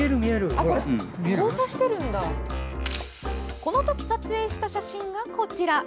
この時撮影した写真がこちら。